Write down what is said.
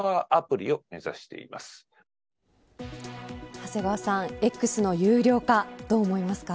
長谷川さん、Ｘの有料化どう思いますか。